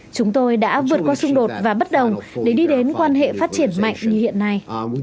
chúng tôi đã vượt qua xung đột và bất đồng để đi đến quan hệ phát triển mạnh như hiện nay